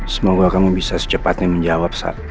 semoga kamu bisa secepatnya menjawab sa